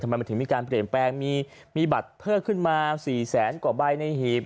ทำไมมันถึงมีการเปลี่ยนแปลงมีบัตรเพิ่มขึ้นมา๔แสนกว่าใบในหีบ